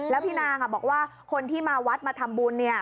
แล้วพี่นางบอกว่าคนที่มาวัดมาทำบุญเนี่ย